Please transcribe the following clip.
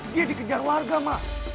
dia dikejar warga mak